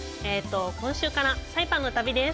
今週からサイパンの旅です。